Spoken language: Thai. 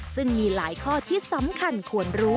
ซึ่งมีหลายข้อที่สำคัญควรรู้